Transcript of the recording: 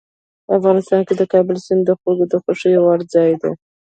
افغانستان کې د کابل سیند د خلکو د خوښې وړ ځای دی.